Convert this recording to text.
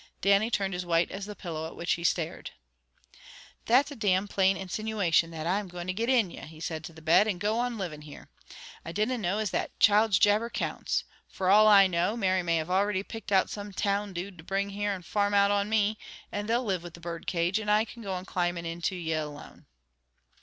Dannie turned as white as the pillow at which he stared. "That's a damn plain insinuation that I'm to get into ye," he said to the bed, "and go on living here. I dinna know as that child's jabber counts. For all I know, Mary may already have picked out some town dude to bring here and farm out on me, and they'll live with the bird cage, and I can go on climbin' into ye alone."